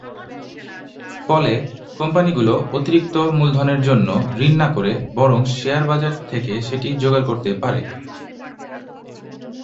ফলে, কোম্পানিগুলি অতিরিক্ত মূলধনের জন্য ঋণ না করে বরং শেয়ার বাজার থেকে সেটি জোগাড় করতে পারে।